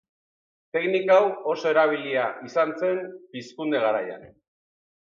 Teknika hau oso erabilia izan zen Pizkunde garaian.